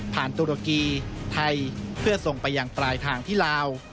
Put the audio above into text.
ตุรกีไทยเพื่อส่งไปอย่างปลายทางที่ลาว